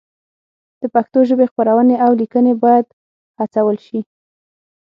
د پښتو ژبې خپرونې او لیکنې باید هڅول شي.